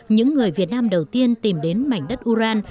những người việt nam đầu tiên tìm đến mảnh đất uran